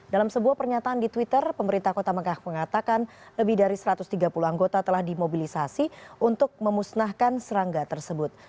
dalam sebuah pernyataan di twitter pemerintah kota mekah mengatakan lebih dari satu ratus tiga puluh anggota telah dimobilisasi untuk memusnahkan serangga tersebut